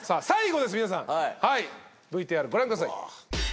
皆さんＶＴＲご覧ください。